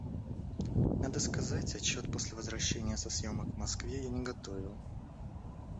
Надо сказать, отчет после возвращения со съемок в Москве я не готовил.